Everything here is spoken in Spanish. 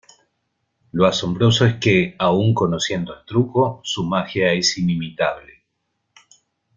Lo asombroso es que, aun conociendo el truco, su magia es inimitable.